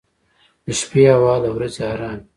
• د شپې هوا له ورځې ارام وي.